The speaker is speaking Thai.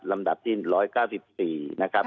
ลำดับที่๑๙๔นะครับ